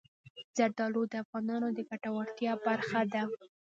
زردالو د افغانانو د ګټورتیا برخه ده.